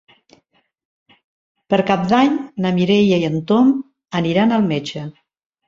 Per Cap d'Any na Mireia i en Tom aniran al metge.